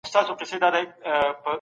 درې ورځي تم سوم، وروسته ورته راغلم